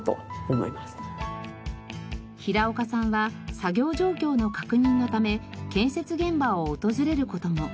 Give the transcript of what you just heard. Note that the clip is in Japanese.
平岡さんは作業状況の確認のため建設現場を訪れる事も。